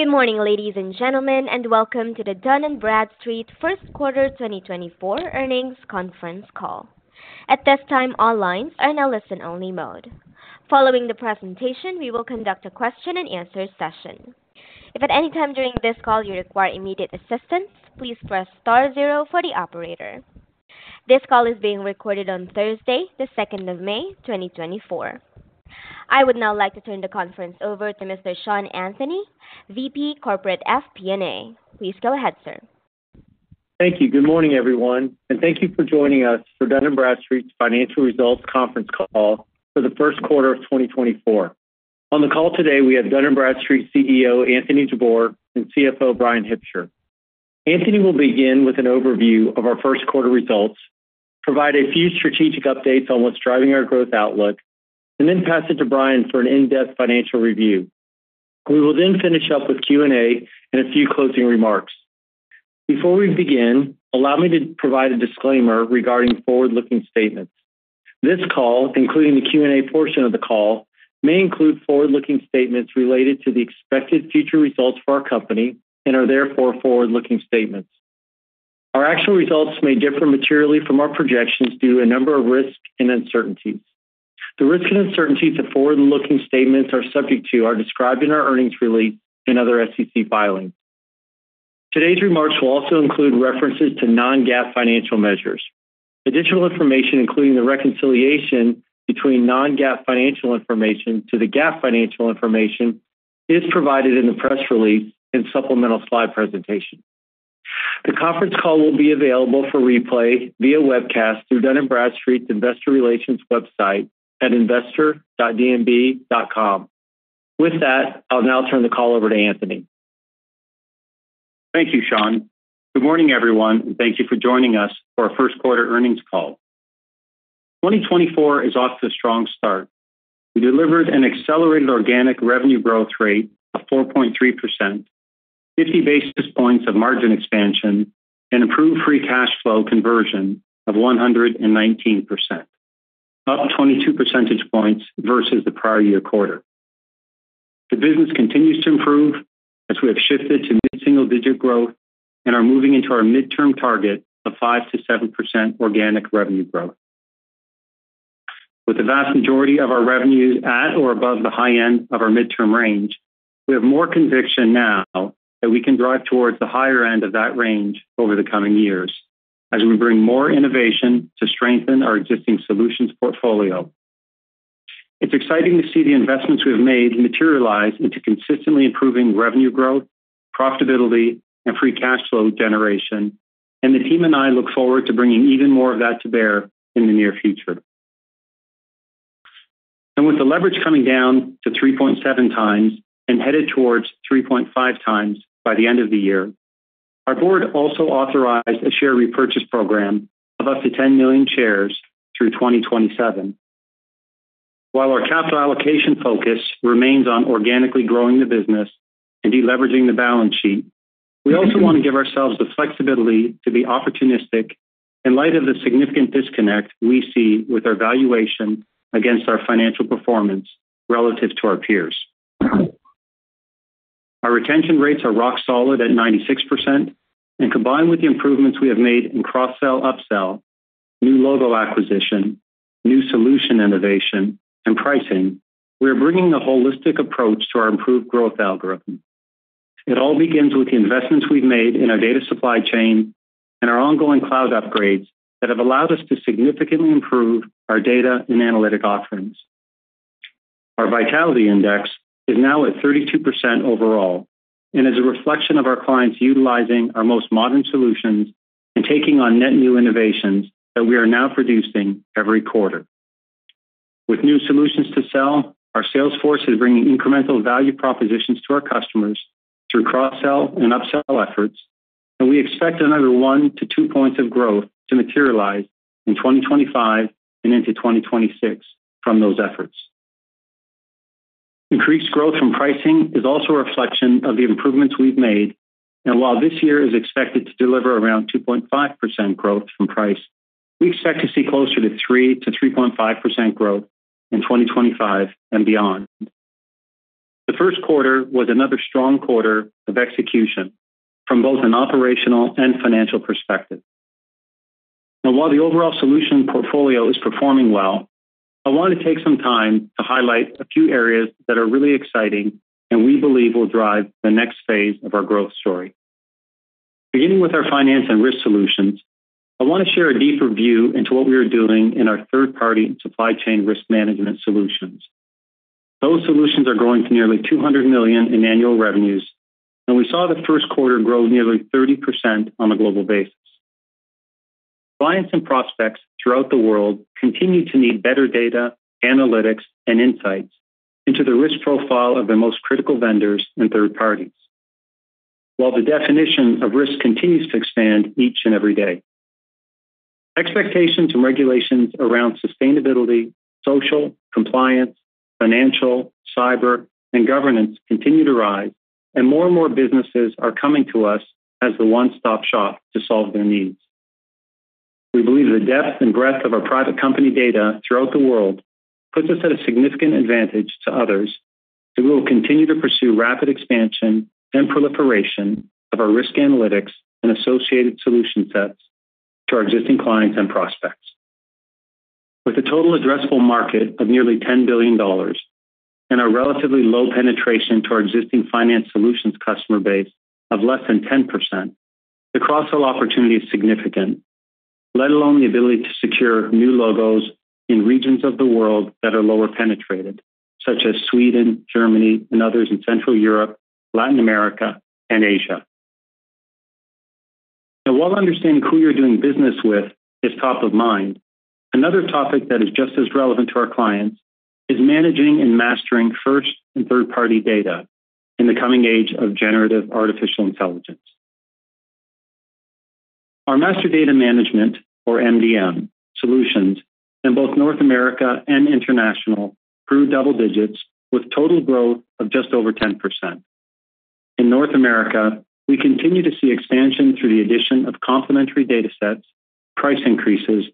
Good morning, ladies and gentlemen, and welcome to the Dun & Bradstreet First Quarter 2024 Earnings Conference Call. At this time, all lines are in a listen-only mode. Following the presentation, we will conduct a question-and-answer session. If at any time during this call you require immediate assistance, please press star zero for the operator. This call is being recorded on Thursday, the second of May, 2024. I would now like to turn the conference over to Mr. Sean Anthony, VP Corporate FP&A. Please go ahead, sir. Thank you. Good morning, everyone, and thank you for joining us for Dun & Bradstreet's Financial Results Conference Call for the first quarter of 2024. On the call today, we have Dun & Bradstreet CEO, Anthony Jabbour, and CFO, Bryan Hipsher. Anthony will begin with an overview of our first quarter results, provide a few strategic updates on what's driving our growth outlook, and then pass it to Bryan for an in-depth financial review. We will then finish up with Q&A and a few closing remarks. Before we begin, allow me to provide a disclaimer regarding forward-looking statements. This call, including the Q&A portion of the call, may include forward-looking statements related to the expected future results for our company and are therefore forward-looking statements. Our actual results may differ materially from our projections due to a number of risks and uncertainties. The risks and uncertainties that forward-looking statements are subject to are described in our earnings release and other SEC filings. Today's remarks will also include references to non-GAAP financial measures. Additional information, including the reconciliation between non-GAAP financial information to the GAAP financial information, is provided in the press release and supplemental slide presentation. The conference call will be available for replay via webcast through Dun & Bradstreet's Investor Relations website at investor.dnb.com. With that, I'll now turn the call over to Anthony. Thank you, Sean. Good morning, everyone, and thank you for joining us for our first quarter earnings call. 2024 is off to a strong start. We delivered an accelerated organic revenue growth rate of 4.3%, 50 basis points of margin expansion, and improved free cash flow conversion of 119%, up 22 percentage points versus the prior year quarter. The business continues to improve as we have shifted to mid-single-digit growth and are moving into our midterm target of 5%-7% organic revenue growth. With the vast majority of our revenues at or above the high end of our midterm range, we have more conviction now that we can drive towards the higher end of that range over the coming years as we bring more innovation to strengthen our existing solutions portfolio. It's exciting to see the investments we've made materialize into consistently improving revenue growth, profitability, and free cash flow generation, and the team and I look forward to bringing even more of that to bear in the near future. With the leverage coming down to 3.7x and headed towards 3.5x by the end of the year, our board also authorized a share repurchase program of up to 10 million shares through 2027. While our capital allocation focus remains on organically growing the business and deleveraging the balance sheet, we also want to give ourselves the flexibility to be opportunistic in light of the significant disconnect we see with our valuation against our financial performance relative to our peers. Our retention rates are rock solid at 96%, and combined with the improvements we have made in cross-sell, upsell, new logo acquisition, new solution innovation, and pricing, we are bringing a holistic approach to our improved growth algorithm. It all begins with the investments we've made in our Data Supply Chain and our ongoing cloud upgrades that have allowed us to significantly improve our data and analytic offerings. Our Vitality Index is now at 32% overall and is a reflection of our clients utilizing our most modern solutions and taking on net new innovations that we are now producing every quarter. With new solutions to sell, our sales force is bringing incremental value propositions to our customers through cross-sell and upsell efforts, and we expect another 1-2 points of growth to materialize in 2025 and into 2026 from those efforts. Increased growth from pricing is also a reflection of the improvements we've made, and while this year is expected to deliver around 2.5% growth from price, we expect to see closer to 3%-3.5% growth in 2025 and beyond. The first quarter was another strong quarter of execution from both an operational and financial perspective. While the overall solution portfolio is performing well, I want to take some time to highlight a few areas that are really exciting and we believe will drive the next phase of our growth story. Beginning with our Finance and Risk Solutions, I want to share a deeper view into what we are doing in our third-party supply chain risk management solutions. Those solutions are growing to nearly $200 million in annual revenues, and we saw the first quarter grow nearly 30% on a global basis. Clients and prospects throughout the world continue to need better data, analytics, and insights into the risk profile of their most critical vendors and third parties. While the definition of risk continues to expand each and every day, expectations and regulations around sustainability, social, compliance, financial, cyber, and governance continue to rise, and more and more businesses are coming to us as the one-stop shop to solve their needs... We believe the depth and breadth of our private company data throughout the world puts us at a significant advantage to others, and we will continue to pursue rapid expansion and proliferation of our risk analytics and associated solution sets to our existing clients and prospects. With a total addressable market of nearly $10 billion and a relatively low penetration to our existing finance solutions customer base of less than 10%, the cross-sell opportunity is significant, let alone the ability to secure new logos in regions of the world that are lower penetrated, such as Sweden, Germany, and others in Central Europe, Latin America, and Asia. Now, while understanding who you're doing business with is top of mind, another topic that is just as relevant to our clients is managing and mastering first- and third-party data in the coming age of generative artificial intelligence. Our master data management, or MDM, solutions in both North America and international grew double digits, with total growth of just over 10%. In North America, we continue to see expansion through the addition of complementary datasets, price increases,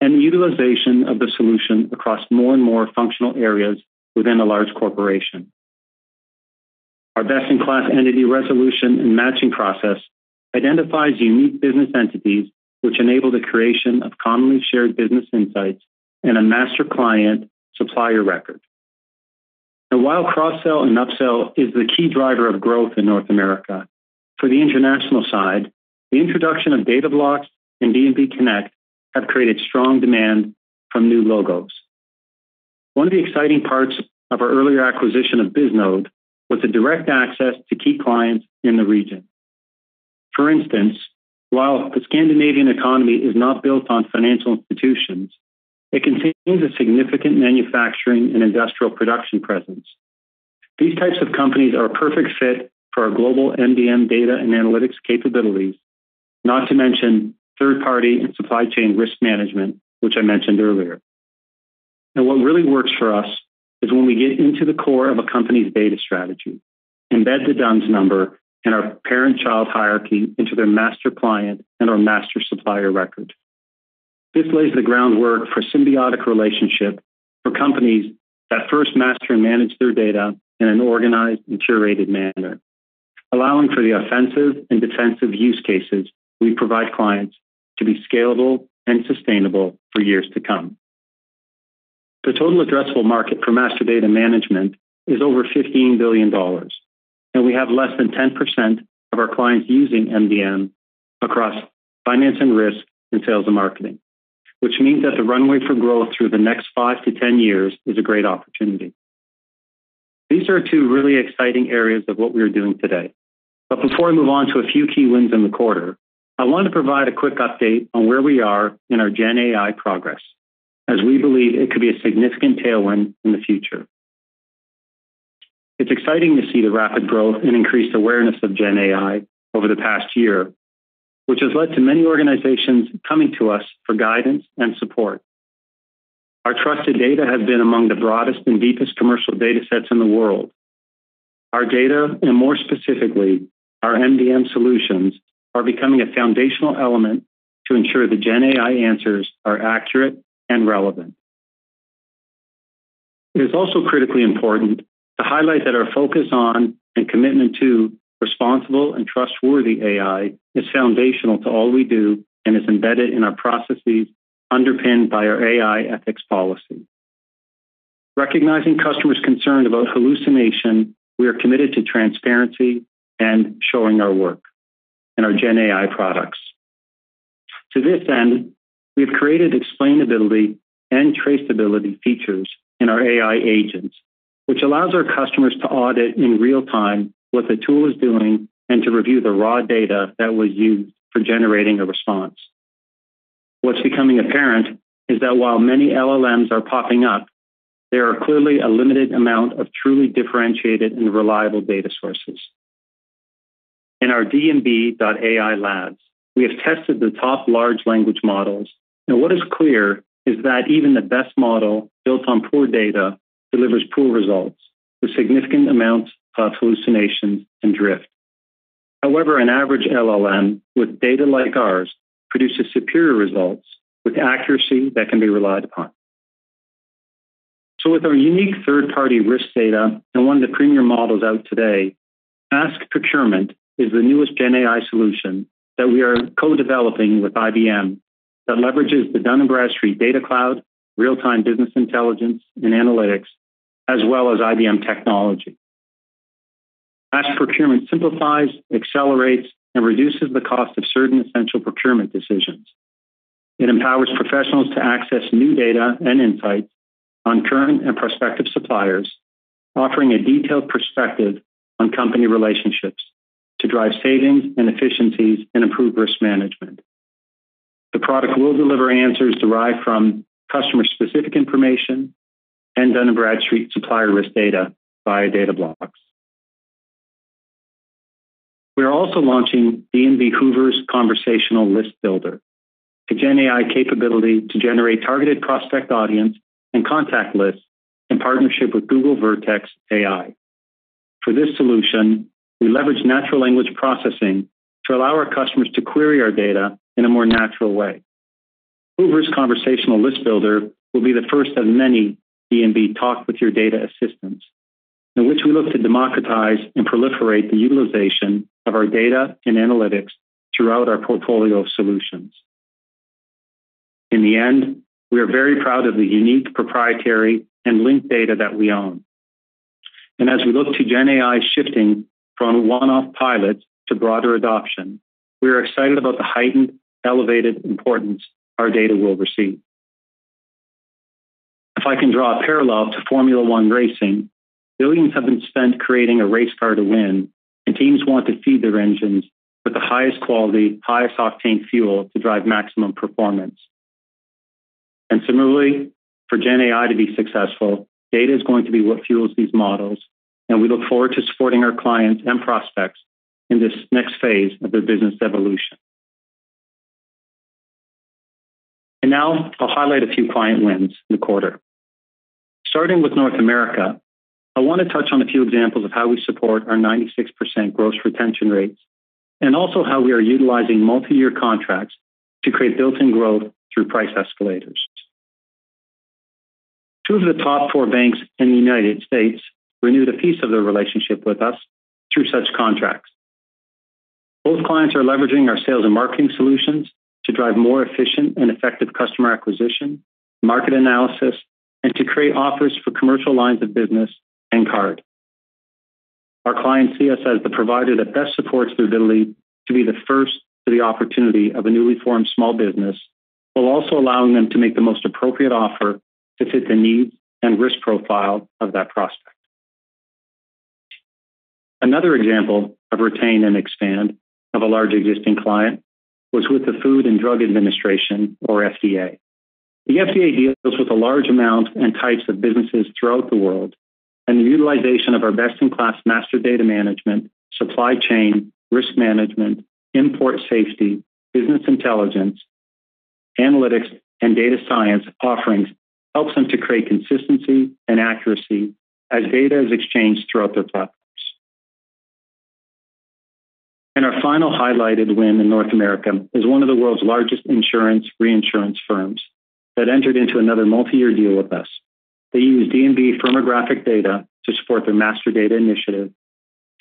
and the utilization of the solution across more and more functional areas within a large corporation. Our best-in-class entity resolution and matching process identifies unique business entities, which enable the creation of commonly shared business insights and a master client supplier record. And while cross-sell and upsell is the key driver of growth in North America, for the international side, the introduction of Data Blocks and D&B Connect have created strong demand from new logos. One of the exciting parts of our earlier acquisition of Bisnode was the direct access to key clients in the region. For instance, while the Scandinavian economy is not built on financial institutions, it contains a significant manufacturing and industrial production presence. These types of companies are a perfect fit for our global MDM data and analytics capabilities, not to mention third-party and supply chain risk management, which I mentioned earlier. And what really works for us is when we get into the core of a company's data strategy, embed the D-U-N-S Number and our Parent-Child Hierarchy into their master client and our master supplier record. This lays the groundwork for symbiotic relationship for companies that first master and manage their data in an organized and curated manner, allowing for the offensive and defensive use cases we provide clients to be scalable and sustainable for years to come. The total addressable market for master data management is over $15 billion, and we have less than 10% of our clients using MDM across Finance and Risk, and Sales and Marketing, which means that the runway for growth through the next 5-10 years is a great opportunity. These are two really exciting areas of what we are doing today. But before I move on to a few key wins in the quarter, I want to provide a quick update on where we are in our GenAI progress, as we believe it could be a significant tailwind in the future. It's exciting to see the rapid growth and increased awareness of GenAI over the past year, which has led to many organizations coming to us for guidance and support. Our trusted data has been among the broadest and deepest commercial datasets in the world. Our data, and more specifically, our MDM solutions, are becoming a foundational element to ensure the GenAI answers are accurate and relevant. It is also critically important to highlight that our focus on, and commitment to, responsible and trustworthy AI is foundational to all we do and is embedded in our processes, underpinned by our AI ethics policy. Recognizing customers' concern about hallucination, we are committed to transparency and showing our work in our GenAI products. To this end, we've created explainability and traceability features in our AI agents, which allows our customers to audit in real time what the tool is doing and to review the raw data that was used for generating a response. What's becoming apparent is that while many LLMs are popping up, there are clearly a limited amount of truly differentiated and reliable data sources. In our D&B.AI Labs, we have tested the top large language models, and what is clear is that even the best model built on poor data delivers poor results with significant amounts of hallucination and drift. However, an average LLM with data like ours produces superior results with accuracy that can be relied upon. So with our unique third-party risk data and one of the premier models out today, Ask Procurement is the newest GenAI solution that we are co-developing with IBM that leverages the Dun & Bradstreet Data Cloud, real-time business intelligence and analytics, as well as IBM technology. Ask Procurement simplifies, accelerates, and reduces the cost of certain essential procurement decisions. It empowers professionals to access new data and insights on current and prospective suppliers, offering a detailed perspective on company relationships to drive savings and efficiencies and improve risk management. The product will deliver answers derived from customer-specific information and Dun & Bradstreet supplier risk data via D&B Data Blocks. We are also launching D&B Hoovers Conversational List Builder, a GenAI capability to generate targeted prospect audience and contact lists in partnership with Google Vertex AI. For this solution, we leverage natural language processing to allow our customers to query our data in a more natural way. Hoovers Conversational List Builder will be the first of many D&B Talk With Your Data assistants, in which we look to democratize and proliferate the utilization of our data and analytics throughout our portfolio of solutions. In the end, we are very proud of the unique, proprietary, and linked data that we own. As we look to GenAI shifting from one-off pilots to broader adoption, we are excited about the heightened, elevated importance our data will receive. If I can draw a parallel to Formula One racing, billions have been spent creating a race car to win, and teams want to feed their engines with the highest quality, highest octane fuel to drive maximum performance. Similarly, for GenAI to be successful, data is going to be what fuels these models, and we look forward to supporting our clients and prospects in this next phase of their business evolution. Now I'll highlight a few client wins in the quarter. Starting with North America, I want to touch on a few examples of how we support our 96% gross retention rates, and also how we are utilizing multi-year contracts to create built-in growth through price escalators. Two of the top four banks in the United States renewed a piece of their relationship with us through such contracts. Both clients are leveraging our Sales and Marketing solutions to drive more efficient and effective customer acquisition, market analysis, and to create offers for commercial lines of business and card. Our clients see us as the provider that best supports their ability to be the first to the opportunity of a newly formed small business, while also allowing them to make the most appropriate offer to fit the needs and risk profile of that prospect. Another example of retain and expand of a large existing client was with the Food and Drug Administration or FDA. The FDA deals with a large amount and types of businesses throughout the world, and the utilization of our best-in-class master data management, supply chain, risk management, import safety, business intelligence, analytics, and data science offerings helps them to create consistency and accuracy as data is exchanged throughout their platforms. And our final highlighted win in North America is one of the world's largest insurance reinsurance firms that entered into another multi-year deal with us. They use D&B firmographic data to support their master data initiative,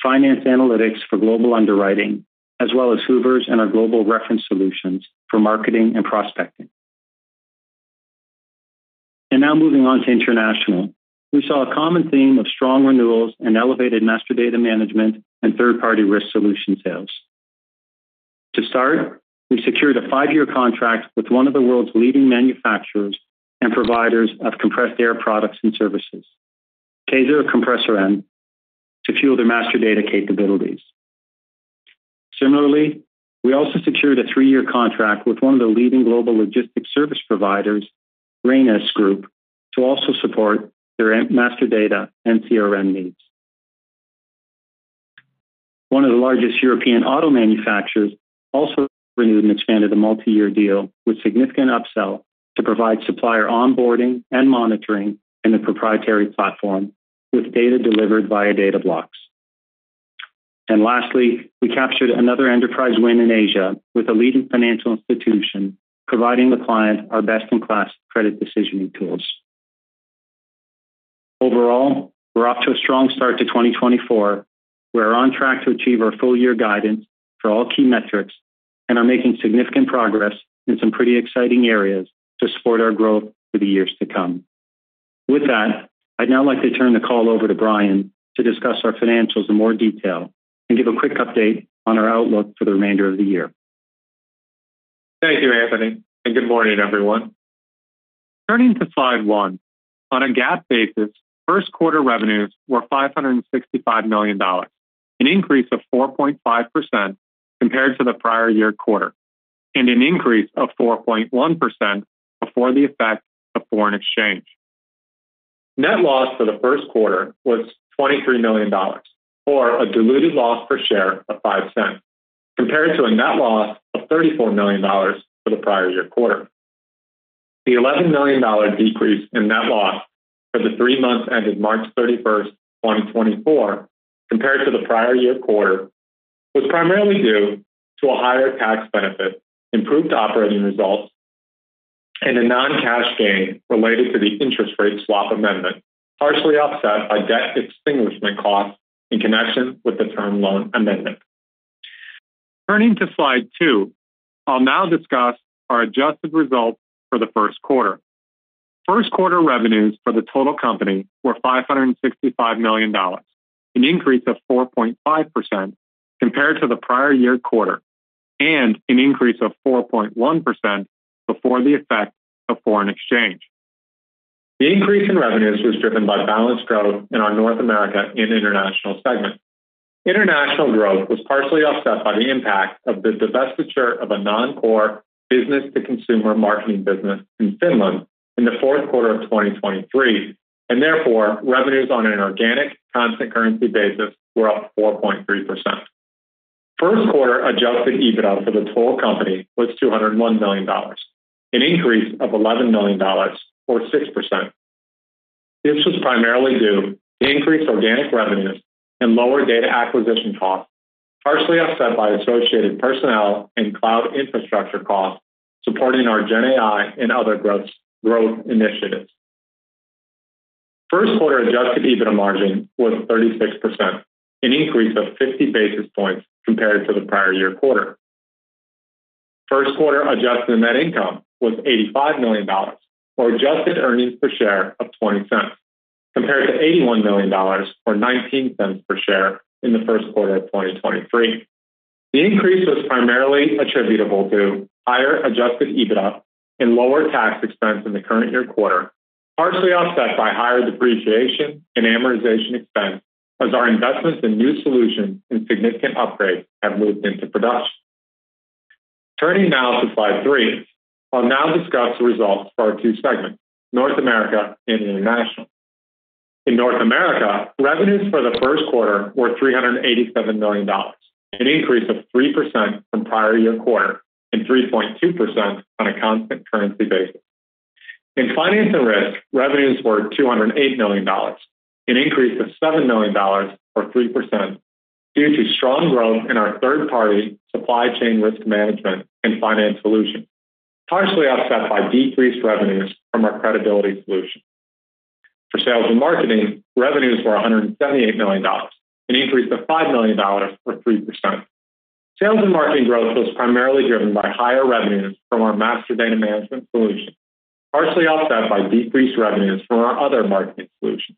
Finance Analytics for global underwriting, as well as Hoovers and our Global Reference Solutions for marketing and prospecting. And now moving on to international. We saw a common theme of strong renewals and elevated master data management and third-party risk solution sales. To start, we secured a 5-year contract with one of the world's leading manufacturers and providers of compressed air products and services, Kaeser Kompressoren, to fuel their master data capabilities. Similarly, we also secured a 3-year contract with one of the leading global logistics service providers, Rhenus Group, to also support their master data and CRM needs. One of the largest European auto manufacturers also renewed and expanded a multi-year deal with significant upsell to provide supplier onboarding and monitoring in a proprietary platform, with data delivered via Data Blocks. Lastly, we captured another enterprise win in Asia with a leading financial institution, providing the client our best-in-class credit decisioning tools. Overall, we're off to a strong start to 2024. We're on track to achieve our full year guidance for all key metrics and are making significant progress in some pretty exciting areas to support our growth for the years to come. With that, I'd now like to turn the call over to Bryan to discuss our financials in more detail and give a quick update on our outlook for the remainder of the year. Thank you, Anthony, and good morning, everyone. Turning to Slide 1. On a GAAP basis, first quarter revenues were $565 million, an increase of 4.5% compared to the prior year quarter, and an increase of 4.1% before the effect of foreign exchange. Net loss for the first quarter was $23 million, or a diluted loss per share of $0.05, compared to a net loss of $34 million for the prior year quarter. The $11 million decrease in net loss for the three months ended March 31, 2024, compared to the prior year quarter, was primarily due to a higher tax benefit, improved operating results, and a non-cash gain related to the interest rate swap amendment, partially offset by debt extinguishment costs in connection with the term loan amendment. Turning to Slide 2. I'll now discuss our adjusted results for the first quarter. First quarter revenues for the total company were $565 million, an increase of 4.5% compared to the prior year quarter, and an increase of 4.1% before the effect of foreign exchange. The increase in revenues was driven by balanced growth in our North America and International segment. International growth was partially offset by the impact of the divestiture of a non-core business-to-consumer marketing business in Finland in the fourth quarter of 2023, and therefore, revenues on an organic constant currency basis were up 4.3%.... First quarter adjusted EBITDA for the total company was $201 million, an increase of $11 million or 6%. This was primarily due to increased organic revenues and lower data acquisition costs, partially offset by associated personnel and cloud infrastructure costs, supporting our GenAI and other growth, growth initiatives. First quarter adjusted EBITDA margin was 36%, an increase of 50 basis points compared to the prior year quarter. First quarter adjusted net income was $85 million, or adjusted earnings per share of $0.20, compared to $81 million or $0.19 per share in the first quarter of 2023. The increase was primarily attributable to higher adjusted EBITDA and lower tax expense in the current year quarter, partially offset by higher depreciation and amortization expense, as our investments in new solutions and significant upgrades have moved into production. Turning now to Slide 3. I'll now discuss the results for our 2 segments, North America and International. In North America, revenues for the first quarter were $387 million, an increase of 3% from prior-year quarter and 3.2% on a constant currency basis. In Finance and Risk, revenues were $208 million, an increase of $7 million or 3% due to strong growth in our third-party Supply Chain Risk Management and finance solutions, partially offset by decreased revenues from our Credibility Solutions. For Sales and Marketing, revenues were $178 million, an increase of $5 million or 3%. Sales and Marketing growth was primarily driven by higher revenues from our Master Data Management solutions, partially offset by decreased revenues from our other marketing solutions.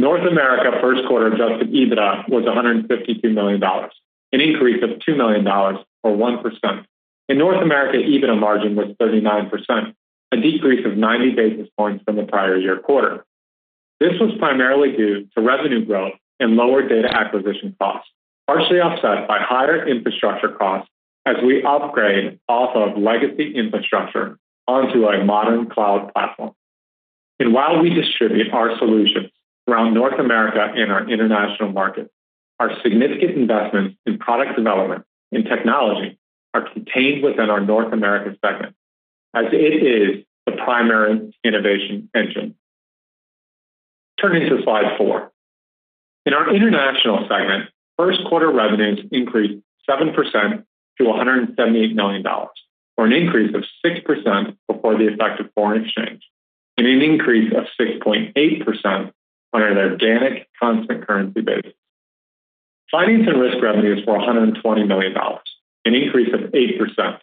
North America first quarter adjusted EBITDA was $152 million, an increase of $2 million or 1%, and North America EBITDA margin was 39%, a decrease of 90 basis points from the prior year quarter. This was primarily due to revenue growth and lower data acquisition costs, partially offset by higher infrastructure costs as we upgrade off of legacy infrastructure onto a modern cloud platform. And while we distribute our solutions around North America and our international markets, our significant investments in product development and technology are contained within our North America segment as it is the primary innovation engine. Turning to Slide 4. In our international segment, first quarter revenues increased 7% to $178 million, or an increase of 6% before the effect of foreign exchange, and an increase of 6.8% on an organic constant currency basis. Finance and Risk revenues were $120 million, an increase of 8%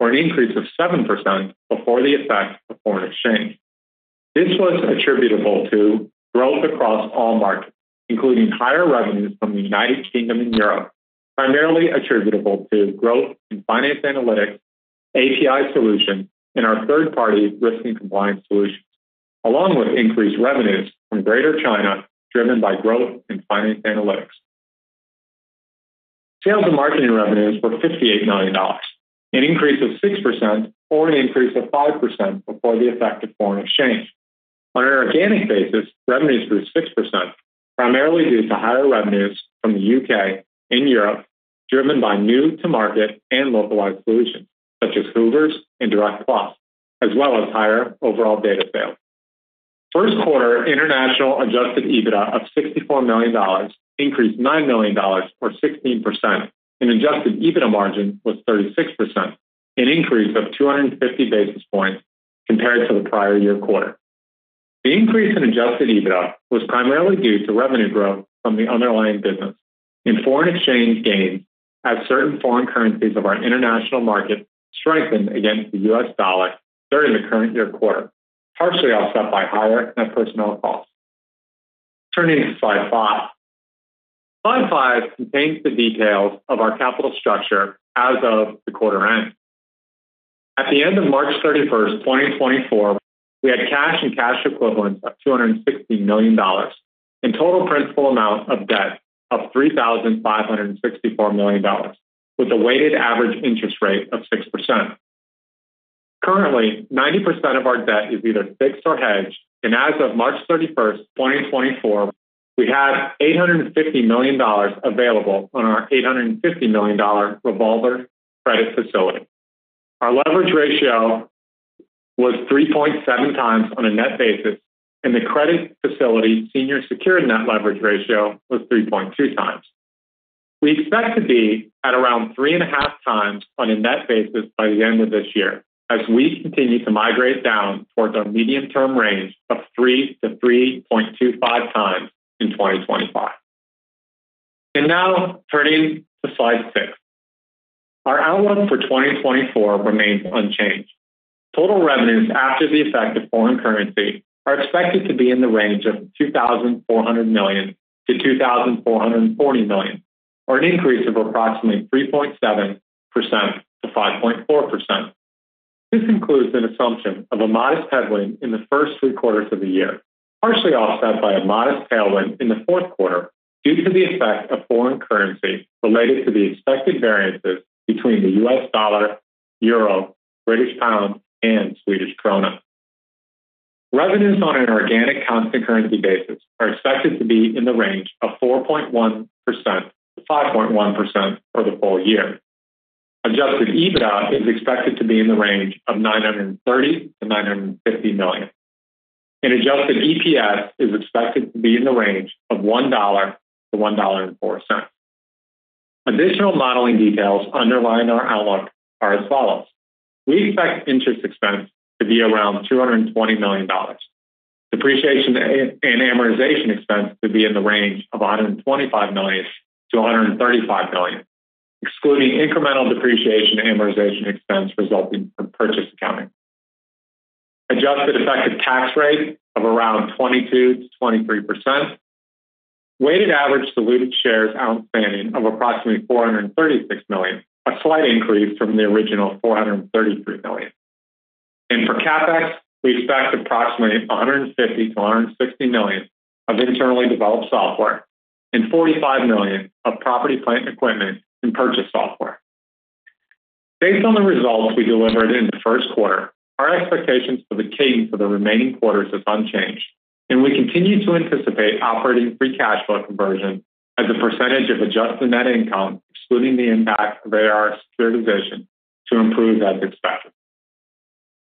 or an increase of 7% before the effect of foreign exchange. This was attributable to growth across all markets, including higher revenues from the United Kingdom and Europe, primarily attributable to growth in Finance Analytics, API solutions, and our Third-Party Risk and Compliance solutions, along with increased revenues from Greater China, driven by growth in Finance Analytics. Sales and Marketing revenues were $58 million, an increase of 6% or an increase of 5% before the effect of foreign exchange. On an organic basis, revenues grew 6%, primarily due to higher revenues from the UK and Europe, driven by new to market and localized solutions such as Hoovers and Direct+, as well as higher overall data sales. First quarter international Adjusted EBITDA of $64 million increased $9 million, or 16%, and Adjusted EBITDA margin was 36%, an increase of 250 basis points compared to the prior year quarter. The increase in Adjusted EBITDA was primarily due to revenue growth from the underlying business and foreign exchange gains, as certain foreign currencies of our international markets strengthened against the US dollar during the current year quarter, partially offset by higher net personnel costs. Turning to Slide 5. Slide 5 contains the details of our capital structure as of the quarter end. At the end of March 31, 2024, we had cash and cash equivalents of $260 million and total principal amount of debt of $3,564 million, with a weighted average interest rate of 6%. Currently, 90% of our debt is either fixed or hedged, and as of March 31, 2024, we had $850 million available on our $850 million dollar revolver credit facility. Our leverage ratio was 3.7x on a net basis, and the credit facility senior secured net leverage ratio was 3.2x. We expect to be at around 3.5x on a net basis by the end of this year, as we continue to migrate down towards our medium-term range of 3x-3.25x in 2025. Now turning to Slide 6. Our outlook for 2024 remains unchanged. Total revenues, after the effect of foreign currency, are expected to be in the range of $2,400 million-$2,440 million, or an increase of approximately 3.7%-5.4%. This includes an assumption of a modest headwind in the first three quarters of the year, partially offset by a modest tailwind in the fourth quarter, due to the effect of foreign currency related to the expected variances between the U.S. dollar, euro, British pound, and Swedish krona. Revenues on an organic constant currency basis are expected to be in the range of 4.1%-5.1% for the full year. Adjusted EBITDA is expected to be in the range of $930 million-$950 million, and adjusted EPS is expected to be in the range of $1.00-$1.04. Additional modeling details underlying our outlook are as follows: We expect interest expense to be around $220 million. Depreciation and amortization expense to be in the range of $125 million-$135 million, excluding incremental depreciation and amortization expense resulting from purchase accounting. Adjusted effective tax rate of around 22%-23%. Weighted average diluted shares outstanding of approximately 436 million, a slight increase from the original 433 million. And for CapEx, we expect approximately $150 million-$160 million of internally developed software and $45 million of property, plant, and equipment and purchased software. Based on the results we delivered in the first quarter, our expectations for the team for the remaining quarters is unchanged, and we continue to anticipate operating free cash flow conversion as a percentage of adjusted net income, excluding the impact of AR Securitization to improve as expected.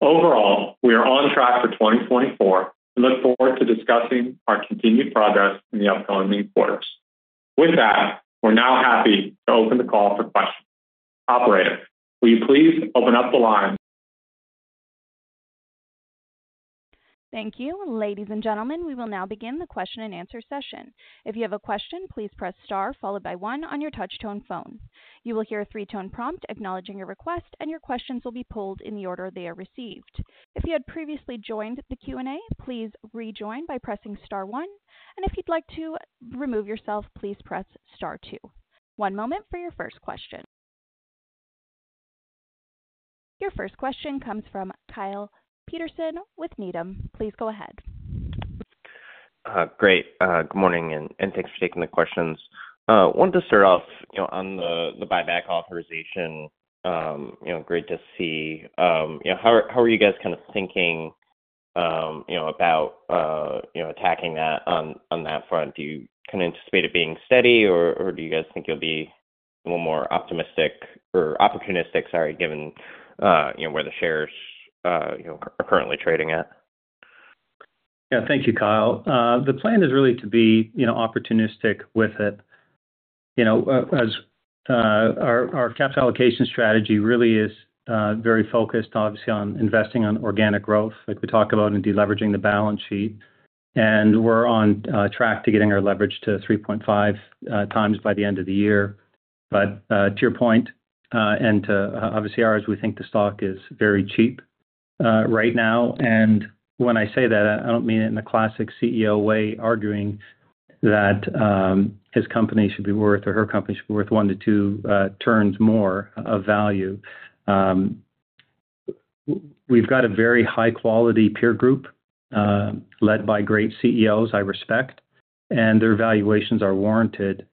Overall, we are on track for 2024 and look forward to discussing our continued progress in the upcoming quarters. With that, we're now happy to open the call for questions. Operator, will you please open up the line? Thank you. Ladies and gentlemen, we will now begin the question-and-answer session. If you have a question, please press star followed by one on your touch-tone phone. You will hear a three-tone prompt acknowledging your request, and your questions will be pulled in the order they are received. If you had previously joined the Q&A, please rejoin by pressing star one, and if you'd like to remove yourself, please press star two. One moment for your first question. Your first question comes from Kyle Peterson with Needham. Please go ahead. Great. Good morning, and thanks for taking the questions. Wanted to start off, you know, on the buyback authorization. You know, great to see. You know, how are you guys kind of thinking, you know, about attacking that on that front? Do you kind of anticipate it being steady, or do you guys think you'll be a little more optimistic or opportunistic, sorry, given, you know, where the shares, you know, are currently trading at? Yeah. Thank you, Kyle. The plan is really to be, you know, opportunistic with it. You know, as our capital allocation strategy really is very focused, obviously, on investing on organic growth, like we talked about, and deleveraging the balance sheet, and we're on track to getting our leverage to 3.5 times by the end of the year. But to your point and to ours, obviously, we think the stock is very cheap right now, and when I say that, I don't mean it in a classic CEO way, arguing that his company should be worth or her company should be worth 1-2 turns more of value. We've got a very high-quality peer group led by great CEOs I respect, and their valuations are warranted.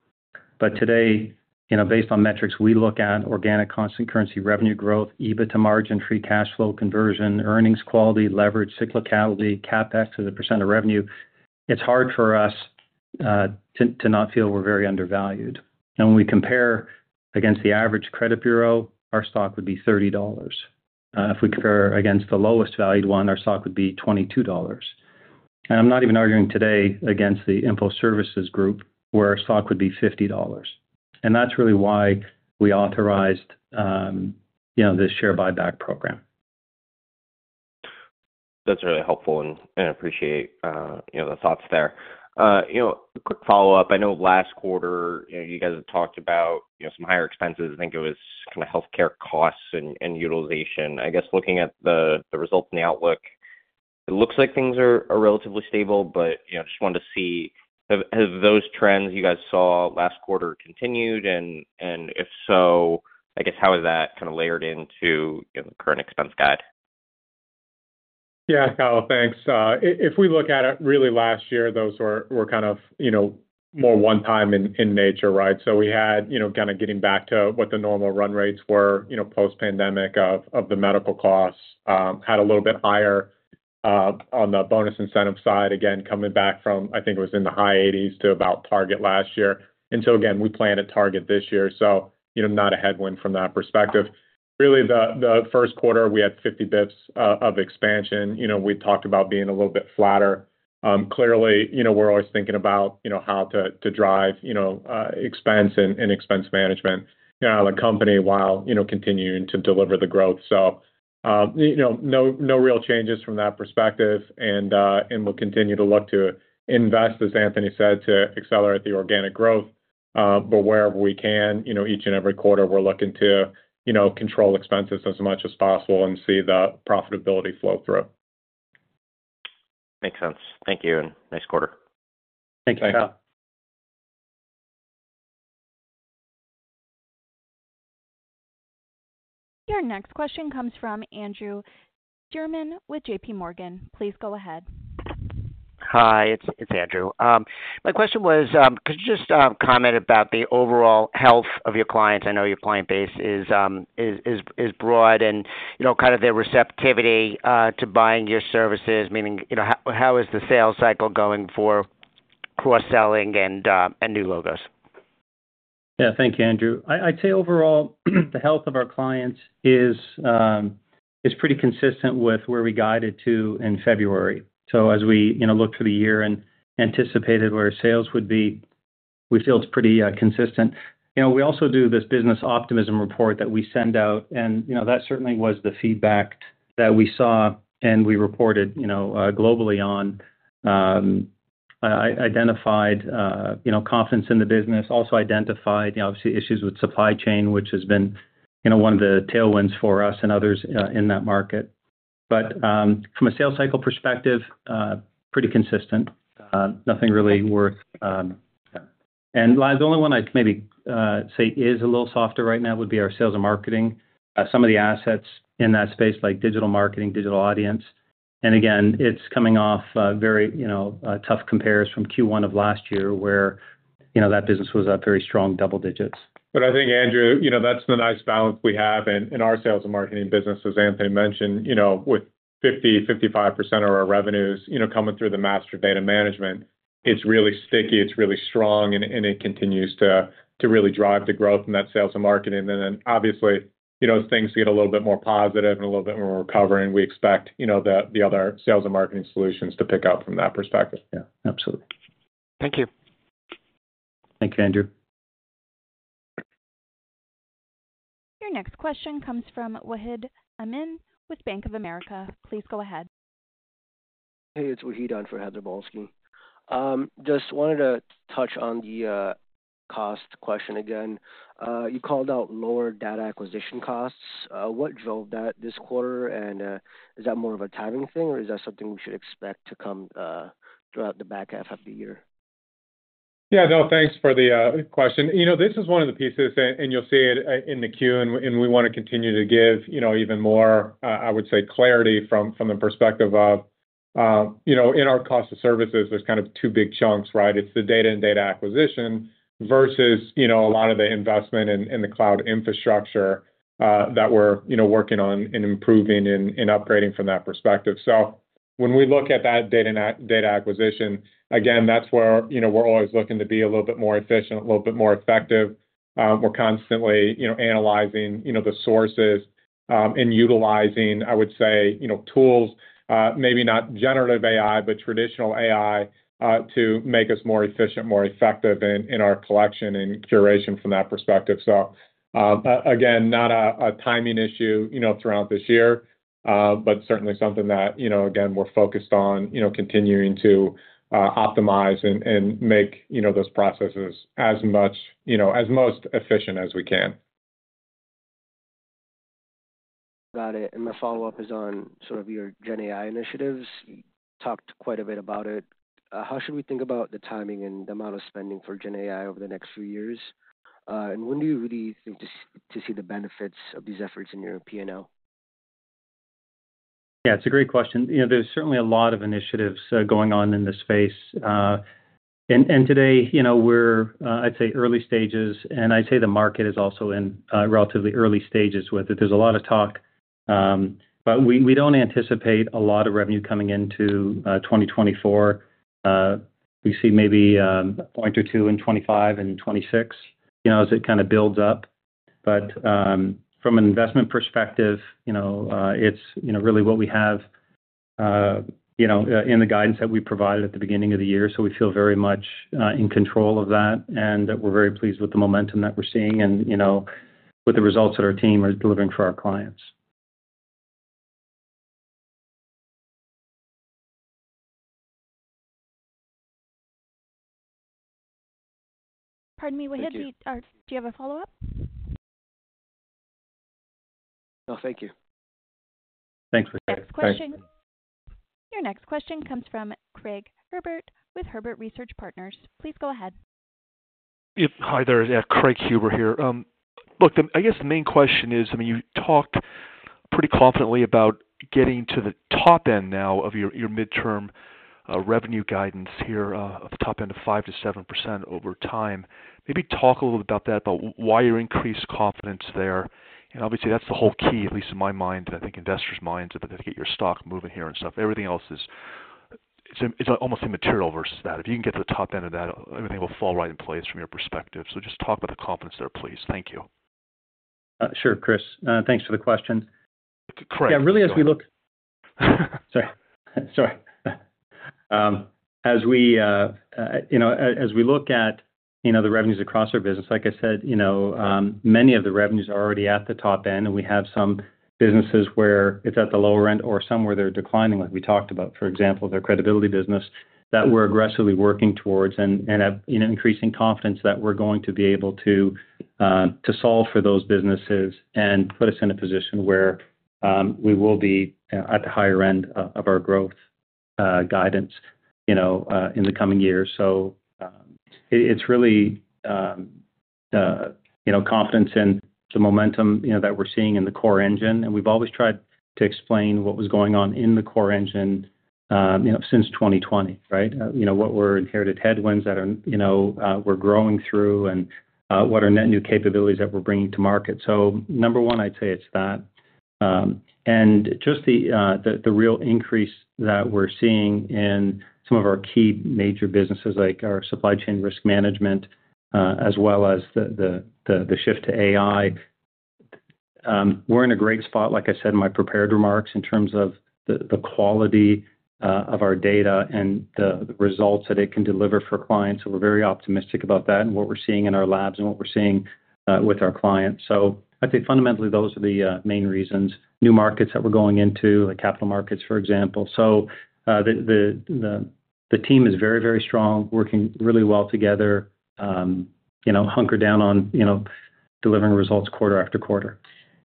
But today, you know, based on metrics, we look at organic constant currency revenue growth, EBITDA margin, free cash flow conversion, earnings quality, leverage, cyclicality, CapEx as a percent of revenue. It's hard for us to not feel we're very undervalued. And when we compare against the average credit bureau, our stock would be $30. If we compare against the lowest valued one, our stock would be $22. And I'm not even arguing today against the info services group, where our stock would be $50. And that's really why we authorized, you know, this share buyback program. That's really helpful, and I appreciate, you know, the thoughts there. You know, a quick follow-up. I know last quarter, you know, you guys had talked about, you know, some higher expenses. I think it was kind of healthcare costs and utilization. I guess looking at the results and the outlook, it looks like things are relatively stable, but you know, just wanted to see, have those trends you guys saw last quarter continued? And if so, I guess, how is that kind of layered into, you know, the current expense guide? Yeah, Kyle, thanks. If we look at it, really last year, those were kind of, you know, more one-time in nature, right? So we had, you know, kind of getting back to what the normal run rates were, you know, post-pandemic of the medical costs, had a little bit higher on the bonus incentive side, again, coming back from, I think it was in the high eighties to about target last year. And so again, we plan to target this year, so, you know, not a headwind from that perspective. Really, the first quarter, we had 50 basis points of expansion. You know, we talked about being a little bit flatter. Clearly, you know, we're always thinking about, you know, how to drive, you know, expense and expense management the company while, you know, continuing to deliver the growth. So, you know, no, no real changes from that perspective, and we'll continue to look to invest, as Anthony said, to accelerate the organic growth. But wherever we can, you know, each and every quarter, we're looking to, you know, control expenses as much as possible and see the profitability flow through. Makes sense. Thank you, and nice quarter. Thanks, Kyle. Your next question comes from Andrew Steinerman with J.P. Morgan. Please go ahead.... Hi, it's Andrew. My question was, could you just comment about the overall health of your clients? I know your client base is broad and, you know, kind of their receptivity to buying your services, meaning, you know, how is the sales cycle going for cross-selling and new logos? Yeah. Thank you, Andrew. I'd say overall, the health of our clients is pretty consistent with where we guided to in February. So as we, you know, look through the year and anticipated where sales would be, we feel it's pretty consistent. You know, we also do this Business Optimism Report that we send out, and, you know, that certainly was the feedback that we saw, and we reported, you know, globally on identified, you know, confidence in the business. Also identified, you know, obviously, issues with supply chain, which has been, you know, one of the tailwinds for us and others in that market. But from a sales cycle perspective, pretty consistent. Nothing really worth... And the only one I'd maybe say is a little softer right now would be our Sales and Marketing. Some of the assets in that space, like digital marketing, digital audience, and again, it's coming off, very, you know, tough compares from Q1 of last year, where, you know, that business was at very strong double digits. But I think, Andrew, you know, that's the nice balance we have in, in our Sales and Marketing business. As Anthony mentioned, you know, with 55% of our revenues, you know, coming through the master data management, it's really sticky, it's really strong, and, and it continues to, to really drive the growth in that Sales and Marketing. And then, obviously, you know, as things get a little bit more positive and a little bit more recovering, we expect, you know, the, the other Sales and Marketing solutions to pick up from that perspective. Yeah, absolutely. Thank you. Thank you, Andrew. Your next question comes from Wahid Amin with Bank of America. Please go ahead. Hey, it's Wahid on for Heather Balsky. Just wanted to touch on the cost question again. You called out lower data acquisition costs. What drove that this quarter? And, is that more of a timing thing, or is that something we should expect to come throughout the back half of the year? Yeah, no, thanks for the question. You know, this is one of the pieces, and, and you'll see it in the queue, and, and we wanna continue to give, you know, even more, I would say, clarity from, from the perspective of, you know, in our cost of services, there's kind of two big chunks, right? It's the data and data acquisition versus, you know, a lot of the investment in, in the cloud infrastructure that we're, you know, working on and improving and, and upgrading from that perspective. So when we look at that data and data acquisition, again, that's where, you know, we're always looking to be a little bit more efficient, a little bit more effective. We're constantly, you know, analyzing, you know, the sources, and utilizing, I would say, you know, tools, maybe not generative AI, but traditional AI, to make us more efficient, more effective in our collection and curation from that perspective. So, again, not a timing issue, you know, throughout this year, but certainly something that, you know, again, we're focused on, you know, continuing to optimize and make those processes as much, you know, as most efficient as we can. Got it. My follow-up is on sort of your GenAI initiatives. You talked quite a bit about it. How should we think about the timing and the amount of spending for GenAI over the next few years? And when do you really think to see the benefits of these efforts in your P&L? Yeah, it's a great question. You know, there's certainly a lot of initiatives going on in this space. And today, you know, we're, I'd say, early stages, and I'd say the market is also in relatively early stages with it. There's a lot of talk, but we don't anticipate a lot of revenue coming into 2024. We see maybe a point or two in 2025 and in 2026, you know, as it kind of builds up. But from an investment perspective, you know, it's really what we have in the guidance that we provided at the beginning of the year. So we feel very much in control of that, and we're very pleased with the momentum that we're seeing and, you know, with the results that our team are delivering for our clients. Pardon me, Wahid. Do you, do you have a follow-up? No, thank you. Thanks for that. Bye. Next question... Your next question comes from Craig Huber, with Huber Research Partners. Please go ahead. Yep, hi there. Yeah, Craig Huber here. Look, I guess the main question is. I mean, you talked pretty confidently about getting to the top end now of your midterm revenue guidance here, of the top end of 5%-7% over time. Maybe talk a little about that, about why your increased confidence there. You know, obviously, that's the whole key, at least in my mind, and I think investors' minds, but then to get your stock moving here and stuff. Everything else is, it's almost immaterial versus that. If you can get to the top end of that, everything will fall right in place from your perspective. So just talk about the confidence there, please. Thank you. Sure, Chris. Thanks for the question. Craig. Yeah, really, as we look—Sorry. Sorry. As we, you know, as we look at, you know, the revenues across our business, like I said, you know, many of the revenues are already at the top end, and we have some businesses where it's at the lower end or some where they're declining, like we talked about, for example, their Credibility business, that we're aggressively working towards and, and have, you know, increasing confidence that we're going to be able to, to solve for those businesses and put us in a position where, we will be, at the higher end of our growth, guidance, you know, in the coming years. So, it, it's really... You know, confidence in the momentum, you know, that we're seeing in the core engine, and we've always tried to explain what was going on in the core engine, you know, since 2020, right? You know, what were inherited headwinds that are, you know, we're growing through, and what are net new capabilities that we're bringing to market. So number one, I'd say it's that. And just the real increase that we're seeing in some of our key major businesses, like our Supply Chain Risk Management, as well as the shift to AI. We're in a great spot, like I said, in my prepared remarks, in terms of the quality of our data and the results that it can deliver for clients, so we're very optimistic about that and what we're seeing in our labs and what we're seeing with our clients. So I'd say fundamentally, those are the main reasons. New markets that we're going into, like capital markets, for example. So the team is very, very strong, working really well together, you know, hunkered down on, you know, delivering results quarter after quarter.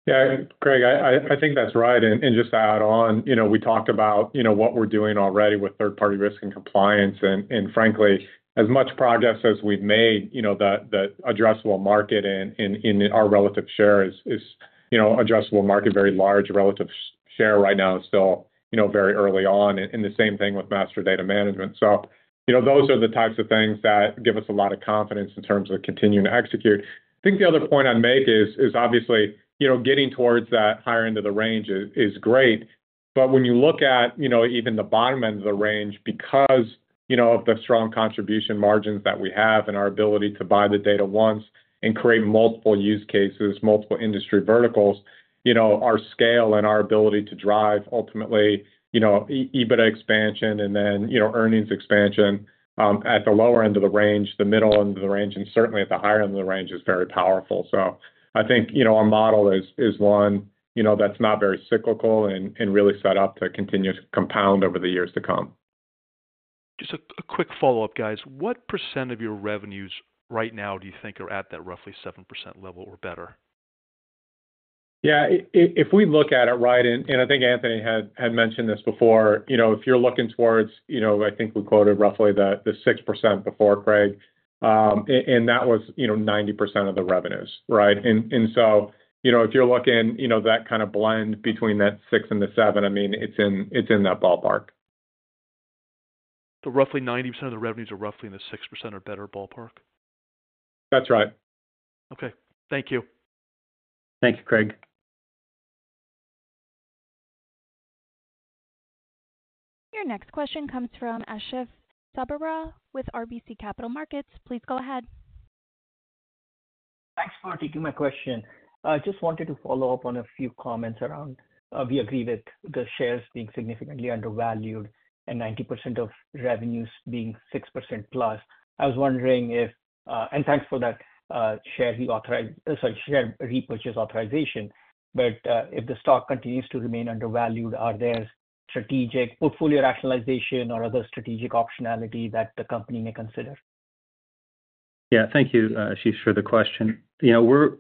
Yeah, Craig, I think that's right. And just to add on, you know, we talked about, you know, what we're doing already with Third-Party Risk and Compliance, and frankly, as much progress as we've made, you know, the addressable market in our relative share is, you know, addressable market, very large. Relative share right now is still, you know, very early on, and the same thing with master data management. So, you know, those are the types of things that give us a lot of confidence in terms of continuing to execute. I think the other point I'd make is obviously, you know, getting towards that higher end of the range is great. But when you look at, you know, even the bottom end of the range, because, you know, of the strong contribution margins that we have and our ability to buy the data once and create multiple use cases, multiple industry verticals, you know, our scale and our ability to drive ultimately, you know, EBITDA expansion and then, you know, earnings expansion, at the lower end of the range, the middle end of the range, and certainly at the higher end of the range, is very powerful. So I think, you know, our model is, is one, you know, that's not very cyclical and, and really set up to continue to compound over the years to come. Just a quick follow-up, guys. What percent of your revenues right now do you think are at that roughly 7% level or better? Yeah, if we look at it, right, and I think Anthony had mentioned this before, you know, if you're looking towards, you know, I think we quoted roughly the 6% before, Craig, and that was, you know, 90% of the revenues, right? And so, you know, if you're looking, you know, that kind of blend between that 6% and the 7%, I mean, it's in, it's in that ballpark. Roughly 90% of the revenues are roughly in the 6% or better ballpark? That's right. Okay. Thank you. Thank you, Craig. Your next question comes from Ashish Sabadra with RBC Capital Markets. Please go ahead. Thanks for taking my question. I just wanted to follow up on a few comments around, we agree with the shares being significantly undervalued and 90% of revenues being 6%+. I was wondering if. And thanks for that, share repurchase authorization. But, if the stock continues to remain undervalued, are there strategic portfolio rationalization or other strategic optionality that the company may consider? Yeah. Thank you, Ashish, for the question. You know, we're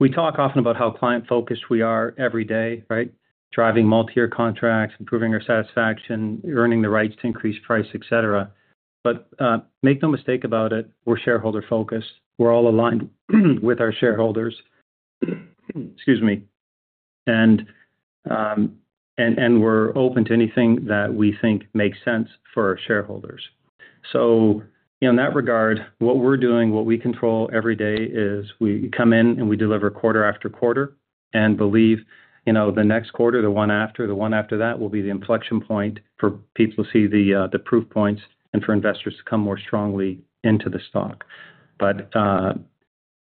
we talk often about how client-focused we are every day, right? Driving multiyear contracts, improving our satisfaction, earning the rights to increase price, et cetera. But, make no mistake about it, we're shareholder-focused. We're all aligned, with our shareholders. Excuse me. And we're open to anything that we think makes sense for our shareholders. So in that regard, what we're doing, what we control every day, is we come in, and we deliver quarter after quarter and believe, you know, the next quarter, the one after, the one after that, will be the inflection point for people to see the proof points and for investors to come more strongly into the stock. But,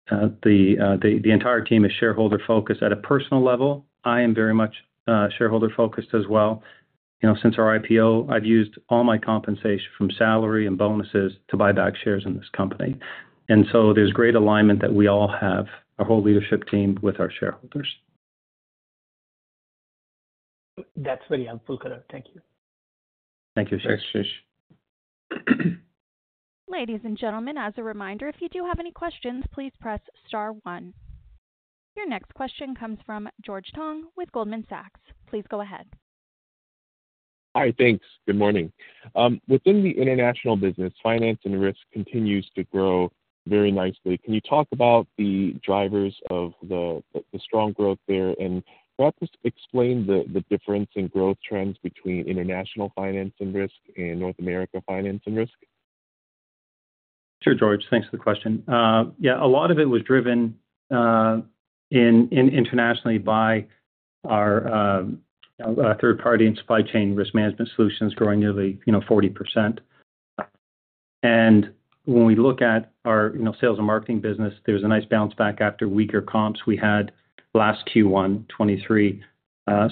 the entire team is shareholder-focused. At a personal level, I am very much, shareholder-focused as well. You know, since our IPO, I've used all my compensation from salary and bonuses to buy back shares in this company. And so there's great alignment that we all have, our whole leadership team, with our shareholders. That's very helpful, color. Thank you. Thank you, Ashish. Thanks, Ashish. Ladies and gentlemen, as a reminder, if you do have any questions, please press star one. Your next question comes from George Tong with Goldman Sachs. Please go ahead. Hi, thanks. Good morning. Within the international business, Finance and Risk continues to grow very nicely. Can you talk about the drivers of the strong growth there? And perhaps explain the difference in growth trends between international Finance and Risk and North America Finance and Risk. Sure, George. Thanks for the question. Yeah, a lot of it was driven in internationally by our third-party and supply chain risk management solutions growing nearly, you know, 40%. And when we look at our, you know, Sales and Marketing business, there was a nice bounce back after weaker comps we had last Q1 2023.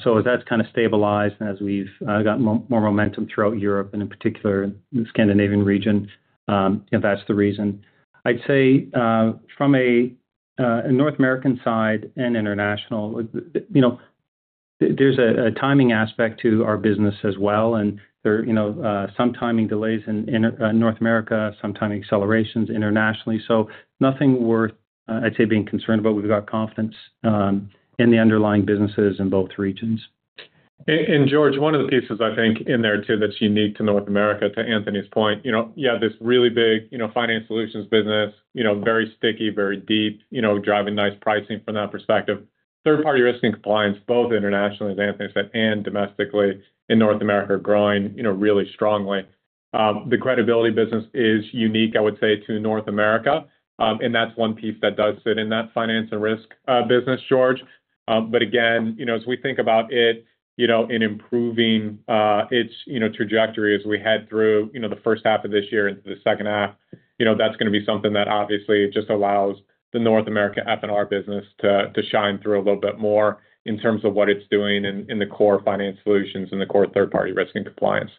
So as that's kind of stabilized, as we've gotten more momentum throughout Europe and in particular, the Scandinavian region, that's the reason. I'd say from a North American side and international, you know, there's a timing aspect to our business as well, and there, you know, some timing delays in North America, some timing accelerations internationally. So nothing worth, I'd say, being concerned about. We've got confidence in the underlying businesses in both regions.... And, George, one of the pieces I think in there, too, that's unique to North America, to Anthony's point, you know, you have this really big, you know, finance solutions business, you know, very sticky, very deep, you know, driving nice pricing from that perspective. Third-Party Risk and Compliance, both internationally, as Anthony said, and domestically in North America, are growing, you know, really strongly. The Credibility business is unique, I would say, to North America, and that's one piece that does fit in that Finance and Risk, business, George. But again, you know, as we think about it, you know, in improving its trajectory as we head through the first half of this year into the second half, you know, that's gonna be something that obviously just allows the North America F&R business to shine through a little bit more in terms of what it's doing in the core finance solutions and the core Third-Party Risk and Compliance.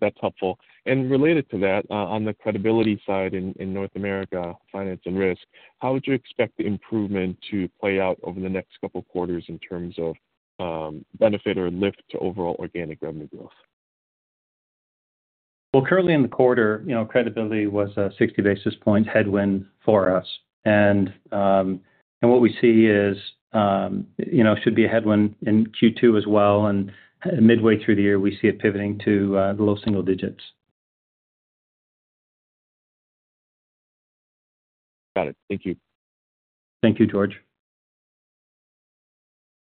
That's helpful. Related to that, on the Credibility side in North America, Finance and Risk, how would you expect the improvement to play out over the next couple of quarters in terms of benefit or lift to overall organic revenue growth? Well, currently in the quarter, you know, Credibility was a 60 basis point headwind for us. And, and what we see is, you know, should be a headwind in Q2 as well, and midway through the year, we see it pivoting to, the low single digits. Got it. Thank you. Thank you, George.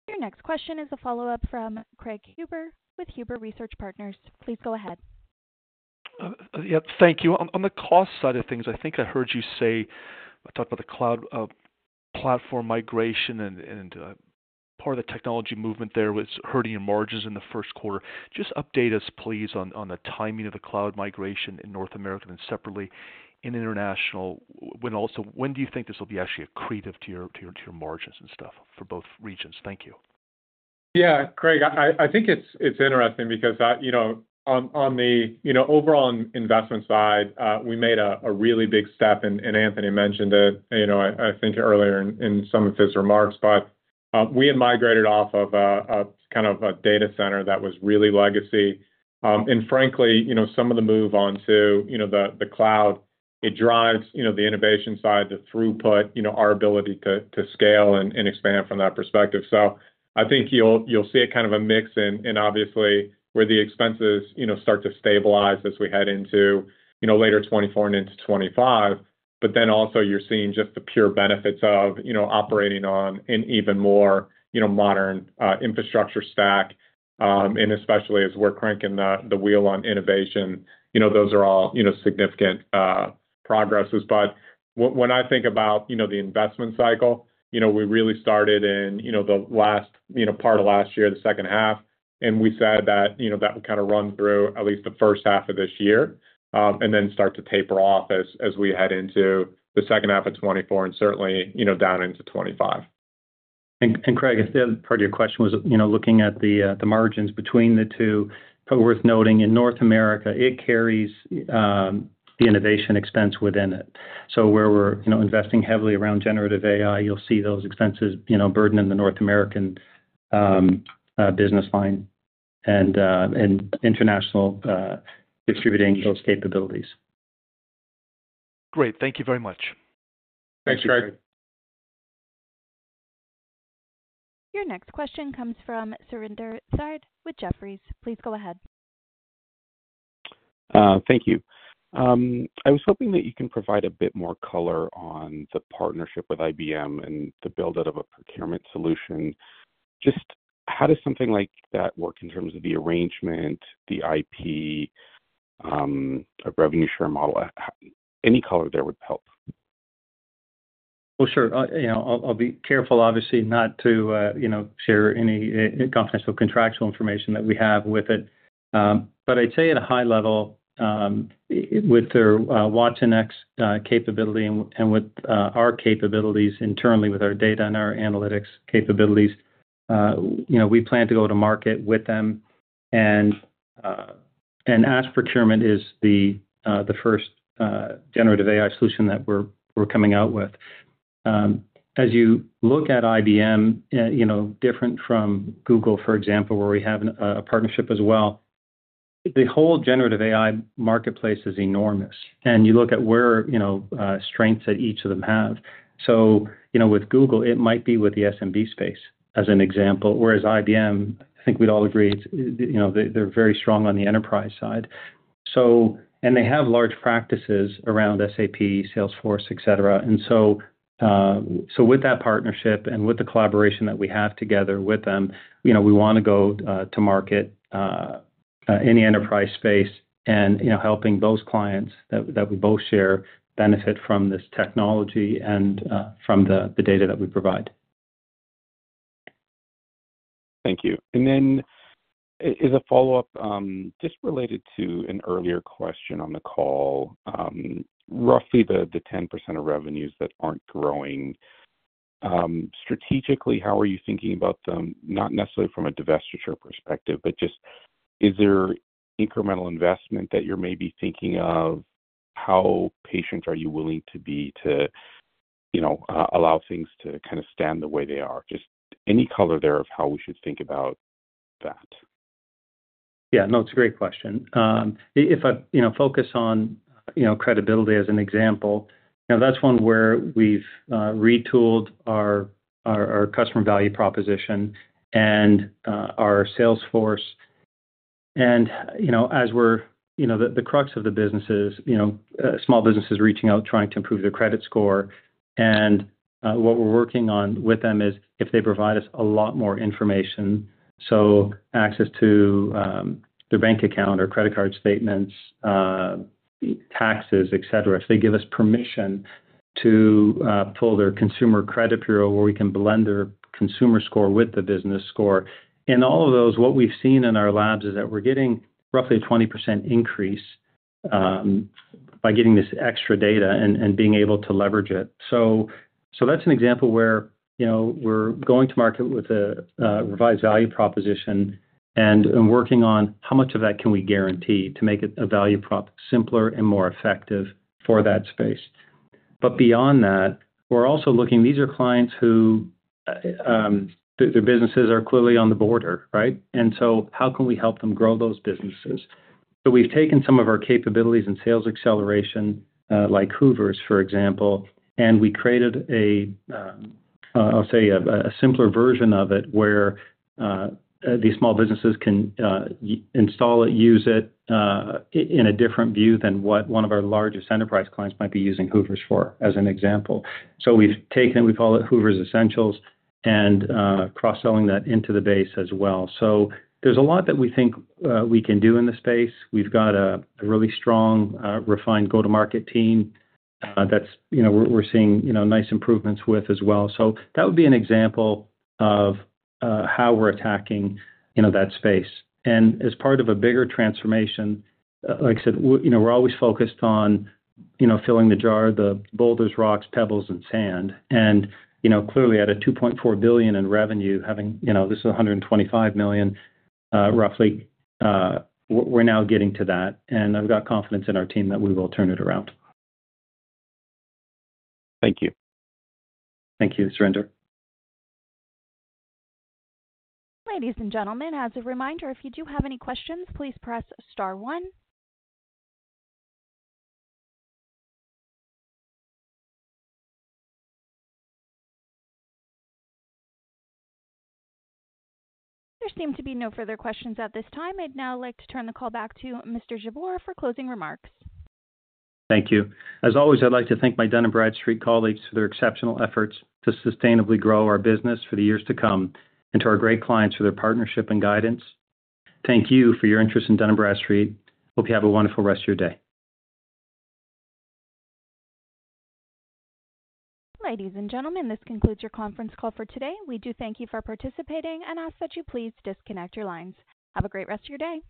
Your next question is a follow-up from Craig Huber with Huber Research Partners. Please go ahead. Yep. Thank you. On the cost side of things, I think I heard you say... I talked about the cloud platform migration and part of the technology movement there was hurting your margins in the first quarter. Just update us, please, on the timing of the cloud migration in North America and separately in International. When do you think this will be actually accretive to your margins and stuff for both regions? Thank you. Yeah, Craig, I think it's interesting because, you know, on the overall investment side, we made a really big step, and Anthony mentioned it, you know, I think earlier in some of his remarks, but we had migrated off of a kind of a data center that was really legacy. And frankly, you know, some of the move on to the cloud, it drives the innovation side, the throughput, our ability to scale and expand from that perspective. So I think you'll see a kind of a mix and obviously where the expenses start to stabilize as we head into later 2024 and into 2025. But then also you're seeing just the pure benefits of, you know, operating on an even more, you know, modern, infrastructure stack, and especially as we're cranking the wheel on innovation, you know, those are all, you know, significant, progresses. But when I think about, you know, the investment cycle, you know, we really started in, you know, the last, you know, part of last year, the second half, and we said that, you know, that would kind of run through at least the first half of this year, and then start to taper off as we head into the second half of 2024 and certainly, you know, down into 2025. Craig, if the other part of your question was, you know, looking at the margins between the two, probably worth noting, in North America, it carries the innovation expense within it. So where we're, you know, investing heavily around generative AI, you'll see those expenses, you know, burden in the North American business line and international distributing those capabilities. Great. Thank you very much. Thanks, Craig. Thanks, Craig. Your next question comes from Surinder Thind with Jefferies. Please go ahead. Thank you. I was hoping that you can provide a bit more color on the partnership with IBM and the build-out of a procurement solution. Just how does something like that work in terms of the arrangement, the IP, a revenue share model? Any color there would help. Well, sure. You know, I'll be careful, obviously, not to, you know, share any non-confidential contractual information that we have with it. But I'd say at a high level, with their watsonx capability and with our capabilities internally, with our data and our analytics capabilities, you know, we plan to go to market with them, and Ask Procurement is the first generative AI solution that we're coming out with. As you look at IBM, you know, different from Google, for example, where we have a partnership as well, the whole generative AI marketplace is enormous, and you look at where, you know, strengths that each of them have. So, you know, with Google, it might be with the SMB space, as an example, whereas IBM, I think we'd all agree, you know, they're very strong on the enterprise side. They have large practices around SAP, Salesforce, et cetera. So, with that partnership and with the collaboration that we have together with them, you know, we want to go to market in any enterprise space and, you know, helping those clients that we both share benefit from this technology and from the data that we provide. Thank you. And then as a follow-up, just related to an earlier question on the call, roughly the 10% of revenues that aren't growing, strategically, how are you thinking about them? Not necessarily from a divestiture perspective, but just is there incremental investment that you're maybe thinking of? How patient are you willing to be to, you know, allow things to kind of stand the way they are? Just any color there of how we should think about that.... Yeah, no, it's a great question. If I, you know, focus on, you know, Credibility as an example, you know, that's one where we've retooled our customer value proposition and our sales force. And, you know, as we're... You know, the crux of the business is, you know, small businesses reaching out, trying to improve their credit score. And what we're working on with them is if they provide us a lot more information, so access to their bank account or credit card statements, taxes, et cetera. If they give us permission to pull their consumer credit bureau, where we can blend their consumer score with the business score. In all of those, what we've seen in our labs is that we're getting roughly a 20% increase by getting this extra data and being able to leverage it. So that's an example where, you know, we're going to market with a revised value proposition and working on how much of that can we guarantee to make it a value prop simpler and more effective for that space. But beyond that, we're also looking—these are clients who their businesses are clearly on the border, right? And so how can we help them grow those businesses? So we've taken some of our capabilities and sales acceleration, like Hoovers, for example, and we created a, I'll say, a simpler version of it, where these small businesses can install it, use it, in a different view than what one of our largest enterprise clients might be using Hoovers for, as an example. So we've taken, we call it Hoovers Essentials, and cross-selling that into the base as well. So there's a lot that we think we can do in this space. We've got a really strong refined go-to-market team, that's, you know, we're seeing, you know, nice improvements with as well. So that would be an example of how we're attacking, you know, that space. As part of a bigger transformation, like I said, we're, you know, we're always focused on, you know, filling the jar, the boulders, rocks, pebbles, and sand. You know, clearly, out of $2.4 billion in revenue, having, you know, this is $125 million, roughly, we're, we're now getting to that, and I've got confidence in our team that we will turn it around. Thank you. Thank you, Surinder. Ladies and gentlemen, as a reminder, if you do have any questions, please press star one. There seem to be no further questions at this time. I'd now like to turn the call back to Mr. Jabbour for closing remarks. Thank you. As always, I'd like to thank my Dun & Bradstreet colleagues for their exceptional efforts to sustainably grow our business for the years to come and to our great clients for their partnership and guidance. Thank you for your interest in Dun & Bradstreet. Hope you have a wonderful rest of your day. Ladies and gentlemen, this concludes your conference call for today. We do thank you for participating and ask that you please disconnect your lines. Have a great rest of your day.